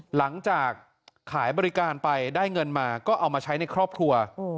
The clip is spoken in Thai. หลังจากขายบริการไปได้เงินมาก็เอามาใช้ในครอบครัว